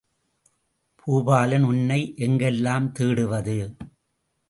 பூபாலன், உன்னை எங்கெல்லாம் தேடுவது?